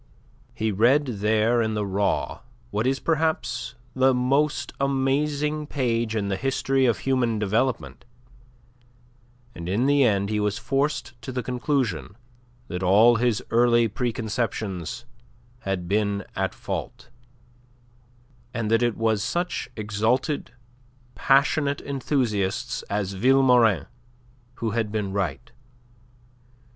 He read there in the raw what is perhaps the most amazing page in the history of human development, and in the end he was forced to the conclusion that all his early preconceptions had been at fault, and that it was such exalted, passionate enthusiasts as Vilmorin who had been right.